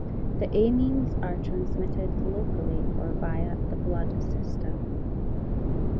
The amines are transmitted locally or via the blood system.